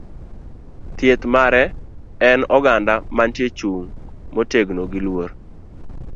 Dhieth mare ne en oganda mantie chung' motegno gi luor.